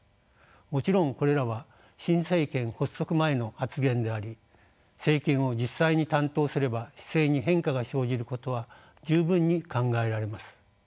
もちろんこれらは新政権発足前の発言であり政権を実際に担当すれば姿勢に変化が生じることは十分に考えられます。